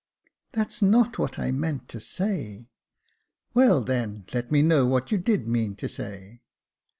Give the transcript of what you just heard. " That's not what I mean to say." *' Well, then, let me know what you did mean to say."